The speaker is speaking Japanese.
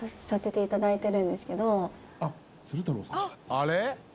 あれ？